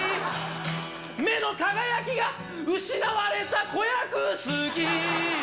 目の輝きが失われた子役、好き。